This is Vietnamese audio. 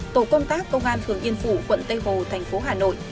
tổ công tác công an phường yên phụ quận tây hồ thành phố hà nội